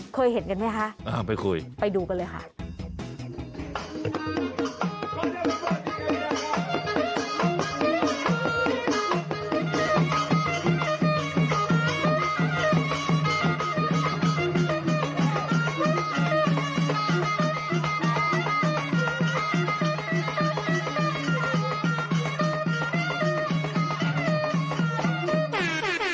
เคยเห็นกันไหมคะไปดูกันเลยค่ะไปคุย